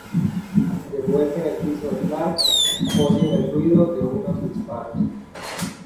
De vuelta en el piso de Clark, oyen el ruido de unos disparos.